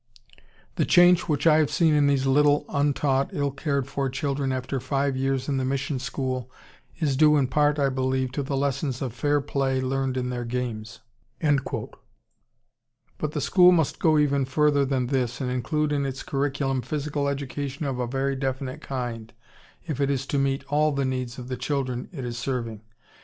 The change which I have seen in these little, un taught, ill cared for children after five years in the mission school is due in part, I believe, to the lessons of 'fair play' learned in their games." But the school must go even further than this and include in its curriculum physical education of a very definite kind if it is to meet all the needs of the children it is serving.